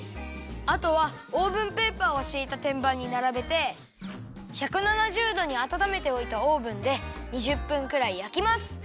あとはオーブンペーパーをしいたてんばんにならべて１７０どにあたためておいたオーブンで２０分くらいやきます。